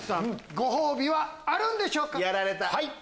ご褒美はあるんでしょうか？